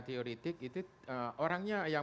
teoretik itu orangnya yang